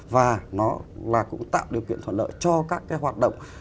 và nó là cũng tạo điều kiện thuận lợi cho các cái hoạt động